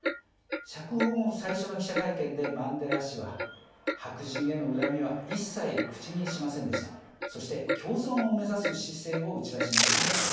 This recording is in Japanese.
釈放後、最初の記者会見でマンデラ氏は白人への恨みは一切口にせず共存を目指す姿勢を打ち出しました。